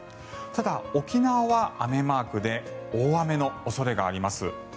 ただ、沖縄は雨マークで大雨の恐れがあります。